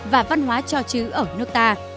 và văn hóa cho chữ ở nước ta